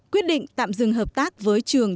quyết định tạm dừng hợp tác với trường